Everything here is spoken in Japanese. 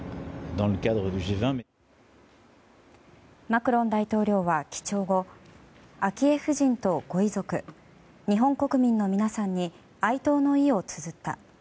マクロン大統領は記帳後昭恵夫人とご遺族日本国民の皆さんに哀悼の意をつづった。